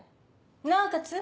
なおかつ？